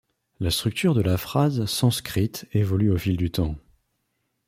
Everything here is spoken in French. La structure de la phrase sanskrite évolue au fil du temps.